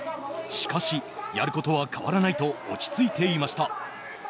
しかし、やることは変わらないと落ち着いていました。